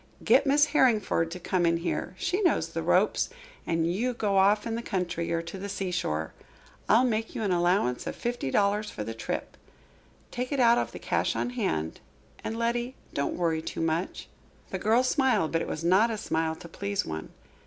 Get Miss Harringford to come in here she knows the ropes and you go off in the country or to the seashore. I'll make you an allowance of fifty dollars for the trip. Take it out of the cash on hand. And, Letty, don't worry too much." The girl smiled, but it was not a smile to please one.